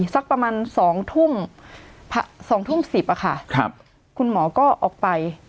สักประมาณสองทุ่มสองทุ่มสิบอ่ะค่ะครับคุณหมอก็ออกไป